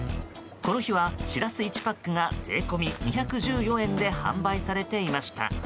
この日はシラス１パックが税込み２１４円で販売されていました。